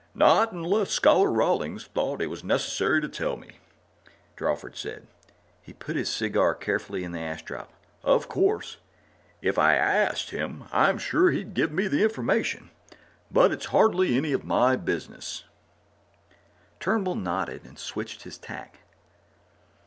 "Not unless Scholar Rawlings thought it was necessary to tell me," Drawford said. He put his cigar carefully in the ashdrop. "Of course, if I asked him, I'm sure he'd give me the information, but it's hardly any of my business." Turnbull nodded and switched his tack.